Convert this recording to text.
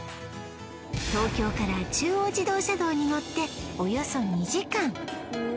東京から中央自動車道に乗っておよそ２時間